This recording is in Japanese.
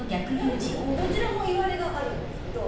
どちらもいわれがあるんですけど。